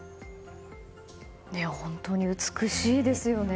本当に美しいですよね。